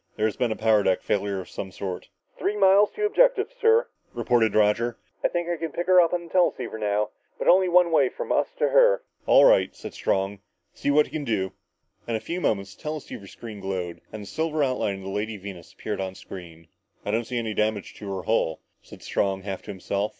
"There has been a power deck failure of some sort." "Three miles to objective, sir," reported Roger. "I think I can pick her up on the teleceiver now, but only one way, from us to her." "All right," said Strong, "see what you can do." In a few moments the teleceiver screen glowed and then the silver outline of the Lady Venus appeared on the screen. "I don't see any damage to her hull," said Strong half to himself.